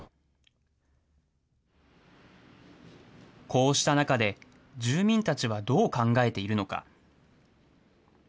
こうした中で、住民たちはどう考えているのか。